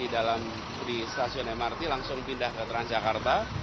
di stasiun mrt langsung pindah ke transjakarta